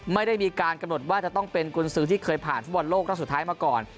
ไม่ได้มีการกำหนดว่าจะต้องเป็นกุญสือที่เคยผ่านฟุตบอลโลกรอบสุดท้ายมาก่อน